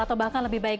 atau bahkan lebih baik